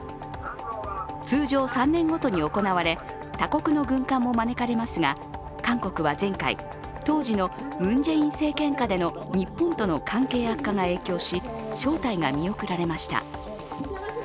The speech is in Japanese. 通常、３年ごとに行われ他国の軍艦も招かれますが韓国は前回、当時のムン・ジェイン政権下での日本との関係悪化が影響し招待が見送られました。